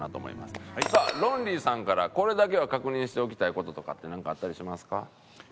ロンリーさんからこれだけは確認しておきたい事とかってなんかあったりしますか？